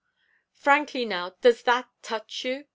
'Frankly, now, does that touch you?'